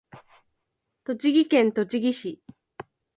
栃木県栃木市